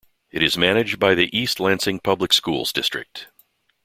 It is managed by the East Lansing Public Schools district.